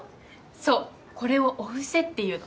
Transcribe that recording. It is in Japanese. そうこれを「お布施」っていうの。